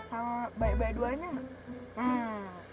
sama baik baik duanya mak